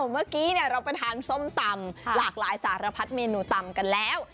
เมื่อกี้เราไปทานส้มตำหลากหลายสารพัดเมนูตำกันแล้ว